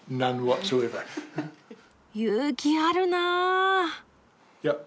勇気あるなあ。